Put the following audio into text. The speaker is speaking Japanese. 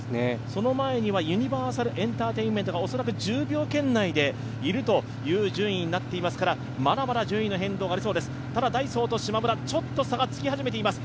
その前にはユニバーサルエンターテインメントが恐らく１０秒圏内でいるという順位になっていますからまだまだ順位の変動がありそうです、ただダイソーとしまむら、ちょっと差がつき始めています。